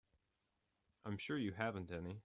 I'm sure you haven't any.